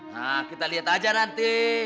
nah kita lihat aja nanti